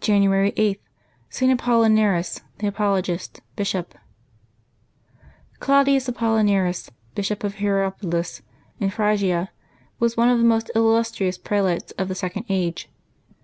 January 8.— ST. APOLLINARIS, THE APOLO GIST, Bishop. CLAUDIUS Apollinaris, Bishop of Hierapolis in Phrygia, was one of the most illustrious prelates of the second age.